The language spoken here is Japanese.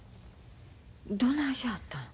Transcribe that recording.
どないしはったん？